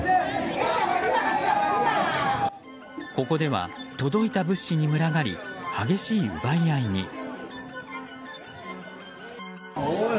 ここでは、届いた物資に群がり激しい奪い合いに。